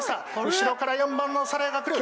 後ろから４番の皿屋が来る！